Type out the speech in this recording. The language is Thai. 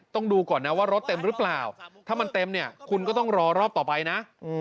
ต้องดูก่อนนะว่ารถเต็มหรือเปล่าถ้ามันเต็มเนี่ยคุณก็ต้องรอรอบต่อไปนะ